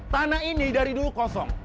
tanah ini dari dulu kosong